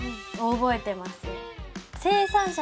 覚えてますよ。